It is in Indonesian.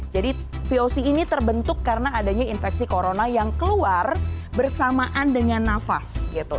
jadi voc ini terbentuk karena adanya infeksi corona yang keluar bersamaan dengan nafas